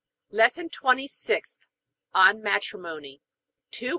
LESSON TWENTY SIXTH ON MATRIMONY 282.